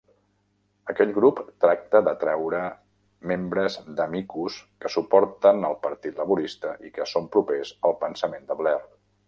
Aquell grup tracta d'atreure membres d'Amicus que suporten el partit Laborista i que són propers al pensament de Blair.